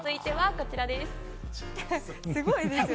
すごいですよね。